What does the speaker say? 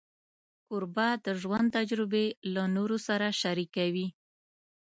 کوربه د ژوند تجربې له نورو سره شریکوي.